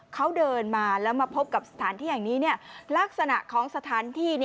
เขาเดินมาแล้วมาพบกับสถานที่แห่งนี้ลักษณะของสถานที่